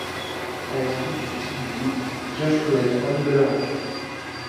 À la suite du succès du livre, Kirsch connaît trois nouvelles aventures.